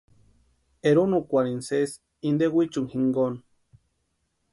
Eronukwarhini sési inte wichuni jinkoni.